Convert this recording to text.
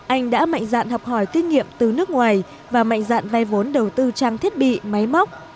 anh đã mạnh dạn học hỏi kinh nghiệm từ nước ngoài và mạnh dạn vay vốn đầu tư trang thiết bị máy móc